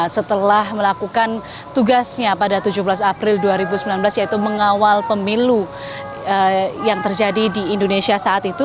setelah melakukan tugasnya pada tujuh belas april dua ribu sembilan belas yaitu mengawal pemilu yang terjadi di indonesia saat itu